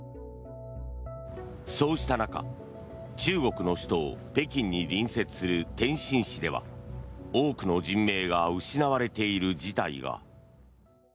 そうした中、中国の首都・北京に隣接する天津市では多くの人命が失われている事態が。